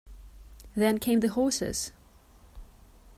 Then came the horses.